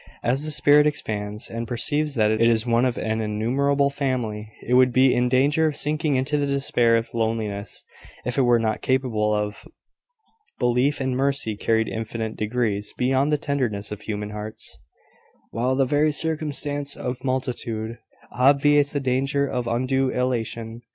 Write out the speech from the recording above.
As the spirit expands, and perceives that it is one of an innumerable family, it would be in danger of sinking into the despair of loneliness if it were not capable of: "Belief In mercy carried infinite degrees Beyond the tenderness of human hearts," while the very circumstance of multitude obviates the danger of undue elation.